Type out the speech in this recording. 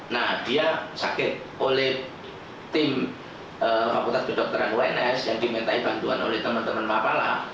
nah dia sakit oleh tim fakultas kedokteran uns yang dimintai bantuan oleh teman teman mapala